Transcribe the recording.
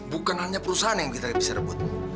bukan hanya perusahaan yang kita bisa rebut